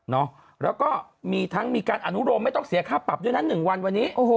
แล้วก็มีทั้งมีการอนุโมไม่ต้องเสียค่าปรับด้วยนะ๑วันวันนี้โอ้โห